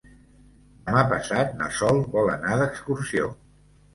Demà passat na Sol vol anar d'excursió.